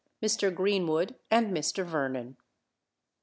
MR. GREENWOOD AND MR. VERNON.